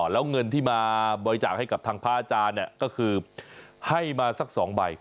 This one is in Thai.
แล้วเงินที่มาบริจาคให้กับทางพระอาจารย์เนี่ยก็คือให้มาสัก๒ใบ